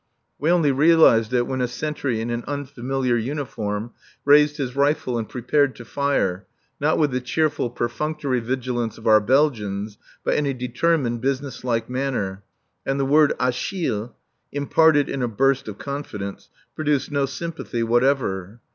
We only realized it when a sentry in an unfamiliar uniform raised his rifle and prepared to fire, not with the cheerful, perfunctory vigilance of our Belgians, but in a determined, business like manner, and the word "Achille," imparted in a burst of confidence, produced no sympathy whatever.